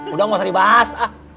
udah masa dibahas